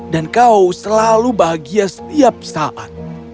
kau selalu bahagia setiap saat